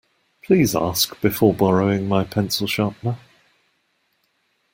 Please ask before borrowing my pencil sharpener.